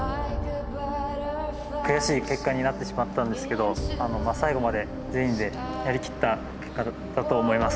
悔しい結果になってしまったんですけど最後まで全員でやりきった結果だったと思います。